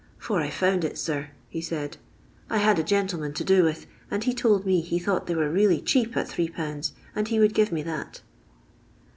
for I found, sir," he said, " I had a gentleman to do with, for he told me he thought they were really cheap at 8/., and he would give me that."